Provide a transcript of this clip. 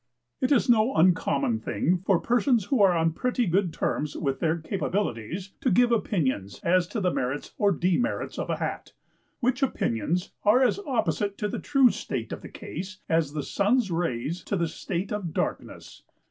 It is no uncommon thing for persons who are on pretty good terms with their capabilities to give opinions as to the merits or demerits of a Hat; which opinions are as opposite to the true state of the case as the sun's rays to a state of darkness.